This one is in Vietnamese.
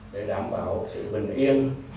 để đảm bảo sự bình yên